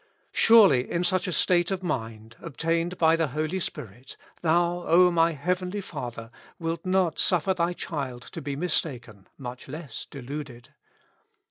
Surely in such a state of mind, obtained by the Holy Spirit, Thou, O my Heavenly Father, wilt not sttffer Thy child to be mis taken, much less deluded.